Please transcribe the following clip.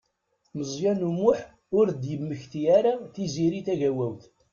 Meẓyan U Muḥ ur d-yemmekti ara Tiziri Tagawawt.